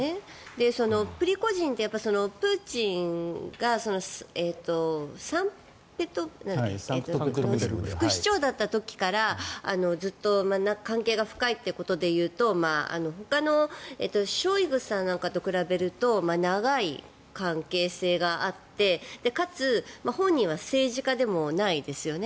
プリゴジンってプーチンがサンクトペテルブルクの副市長だった時からずっと関係が深いということでいうとほかのショイグさんなんかと比べると長い関係性があってかつ、本人は政治家でもないですよね。